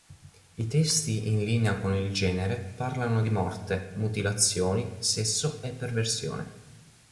I testi in linea con il genere parlano di morte, mutilazioni, sesso e perversione.